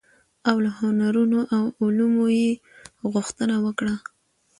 او له هنرونو او علومو يې غوښتنه وکړه،